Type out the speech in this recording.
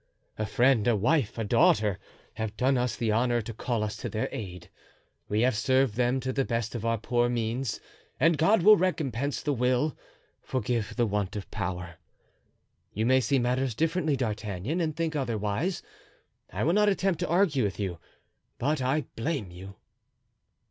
A friend, a wife, a daughter, have done us the honor to call us to their aid. We have served them to the best of our poor means, and God will recompense the will, forgive the want of power. You may see matters differently, D'Artagnan, and think otherwise. I will not attempt to argue with you, but I blame you."